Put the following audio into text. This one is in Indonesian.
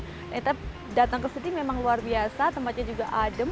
ternyata datang ke sini memang luar biasa tempatnya juga adem